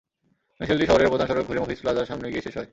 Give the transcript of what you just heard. মিছিলটি শহরের প্রধান সড়ক ঘুরে মফিজ প্লাজার সামনে গিয়ে শেষ হয়।